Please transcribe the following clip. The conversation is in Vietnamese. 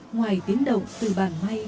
ngoài tiếng động từ bàn máy